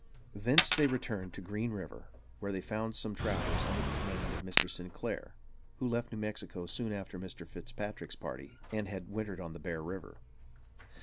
Thence they returned to Green River, where they found some Trappers under the command of Mr. Sinclair, who left New Mexico soon after Mr. Fitzpatrick's party and had wintered on the Bear River.